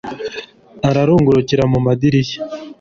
ararungurukira mu madirishya